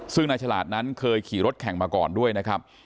ซึ่งนายฉลาดนั้นเคยขี่รถแข่งมาก่อนด้วยนะครับ